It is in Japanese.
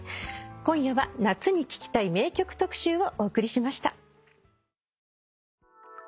今夜は夏に聴きたい名曲特集をお送りしました。